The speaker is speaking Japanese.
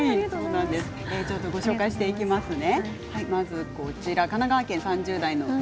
ご紹介していきますね。